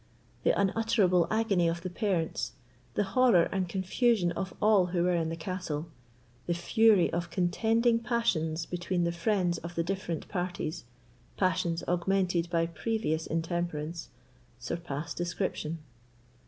The unutterable agony of the parents, the horror and confusion of all who were in the castle, the fury of contending passions between the friends of the different parties—passions augmented by previous intemperance—surpass description.